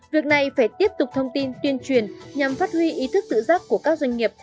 việc này phải tiếp tục thông tin tuyên truyền nhằm phát huy ý thức tự giác của các doanh nghiệp